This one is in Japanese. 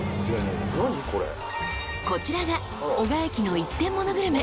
［こちらが男鹿駅の一点モノグルメ